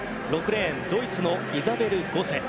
６レーン、ドイツのイザベル・ゴセ。